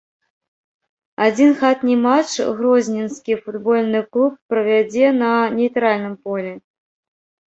Адзін хатні матч грозненскі футбольны клуб правядзе на нейтральным полі.